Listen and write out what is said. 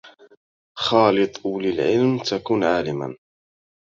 خالط أولي العلم تكن عالما